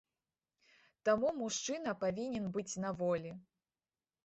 Таму мужчына павінен быць на волі.